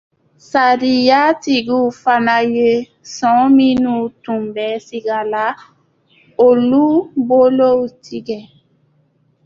Sariyatigiw fana ye sonw minnu tun bɛ siga la, olu bolow tigɛ